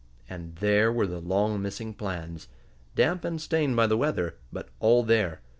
And there were the long missing plans! damp and stained by the weather, but all there.